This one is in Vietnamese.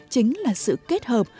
chính là sự kết hợp